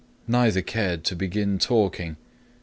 Neither cared to begin talking.